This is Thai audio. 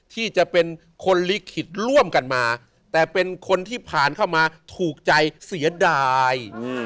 ที่จะเป็นคนลิขิตร่วมกันมาแต่เป็นคนที่ผ่านเข้ามาถูกใจเสียดาย